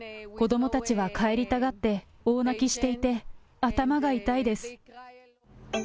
子どもたちは帰りたがって大泣きしていて、頭が痛いです。